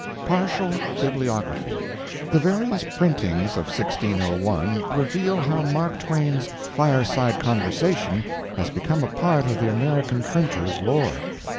PARTIAL BIBLIOGRAPHY The various printings of 1601 reveal how Mark Twain's 'Fireside Conversation' has become a part of the American printer's lore.